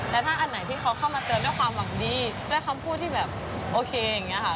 แต่ถ้าอันไหนที่เขาเข้ามาเตือนด้วยความหวังดีด้วยคำพูดที่แบบโอเคอย่างนี้ค่ะ